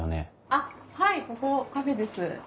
あっはいここカフェです。